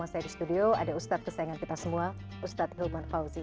saya di studio ada ustadz kesayangan kita semua ustadz hilman fauzi